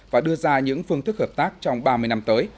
và đưa ra những phương thức hợp tác trong ba mươi năm tới